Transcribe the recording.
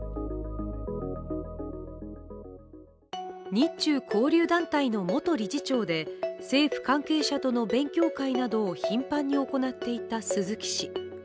日中交流団体の元理事長で、政府関係者との勉強会などを頻繁に行っていた鈴木氏。